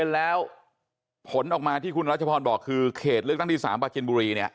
แล้วผลออกมาที่คุณรัชพรบอกคือเขตเลือกตั้งที่๓ประจินบุรีเนี่ย